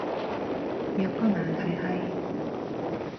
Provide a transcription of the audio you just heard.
有個難題係